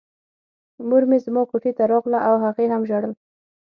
مور مې زما کوټې ته راغله او هغې هم ژړل